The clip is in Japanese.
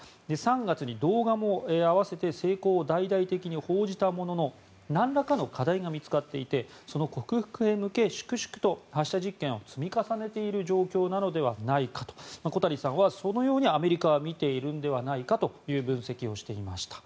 ３月に動画も併せて成功を大々的に報じたもののなんらかの課題が見つかっていてその克服へ向け粛々と発射実験を積み重ねている状況なのではないかと小谷さんはそのようにアメリカは見ているのではないかという分析をしていました。